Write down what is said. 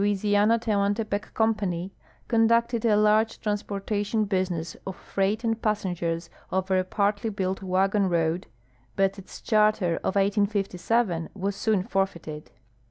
siana Tehuantei)ec Company conducted a large trans])ortation Imsi ness of freight and passengers over a partly built Avagon road, but its charter of 1857 AA^as soon forfeited.